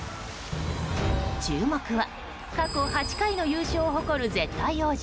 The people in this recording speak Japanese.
注目は過去８回の優勝を誇る絶対王者